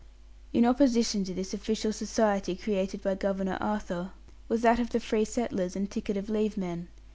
In opposition to this official society created by Governor Arthur was that of the free settlers and the ticket of leave men.